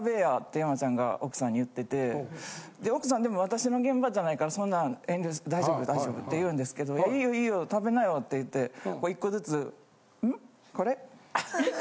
山ちゃんが奥さんに言ってて奥さんでも私の現場じゃないからってそんなん遠慮して「大丈夫大丈夫」って言うんですけど「いいよ食べなよ」って言ってこう１個ずつ「んっ？これ？」。